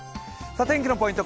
天気のポイント